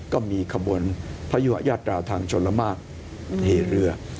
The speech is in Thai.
ก็มีขบวนพยุยาตราทางชนละมากเทเรือ